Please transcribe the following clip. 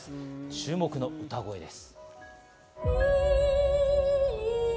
注目の歌声です。